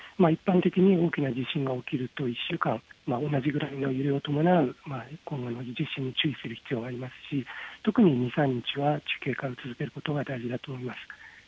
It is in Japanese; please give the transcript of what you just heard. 一般的に大きな地震が起きると、１週間、同じぐらいの揺れを伴う地震に注意する必要がありますし、特に２、３日は注意、警戒を続けることが大事だと思います。